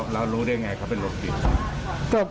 แล้วรู้ได้ยังไงเขาเป็นโรคจิต